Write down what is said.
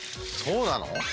そうなの？